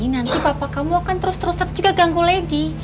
nanti papa kamu akan terus terusan juga ganggu lady